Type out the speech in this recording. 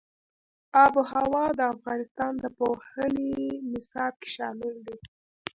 آب وهوا د افغانستان د پوهنې نصاب کې شامل دي.